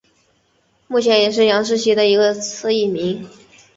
目前也是杨氏蜥的一个次异名。